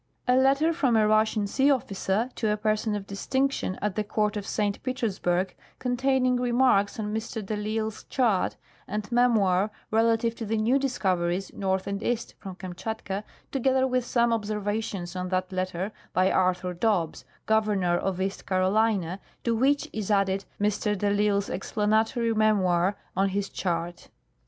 "A letter from a Russian Sea Officer to a Person of Distinc tion at the Court of St. Petersburg, containing Remarks on Mr. de risle's Chart and Memoir relative to the New Discoveries North and East from Kamtschatka, together with some Observa tions on that Letter by Arthur Dobbs, Governor of East Carolina, to which is added Mr. de ITsle's Explanatory Memoir on his Chart."